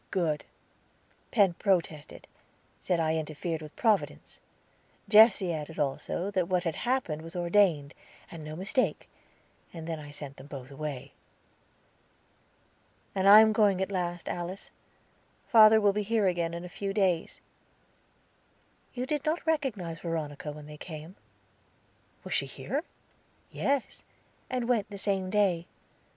"Good." "Penn protested, said I interfered with Providence. Jesse added, also, that what had happened was ordained, and no mistake, and then I sent them both away." "And I am going at last, Alice; father will be here again in a few days." "You did not recognize Veronica, when they came." "Was she here?" "Yes, and went the same day.